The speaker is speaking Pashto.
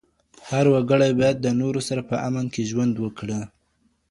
هر وګړی باید د نورو سره په امن کې ژوند وکړي.